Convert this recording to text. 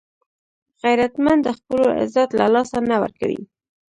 غیرتمند د خپلو عزت له لاسه نه ورکوي